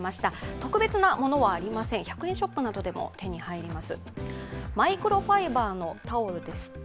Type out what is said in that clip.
特別なものはありません、１００円ショップなどでも手に入ります。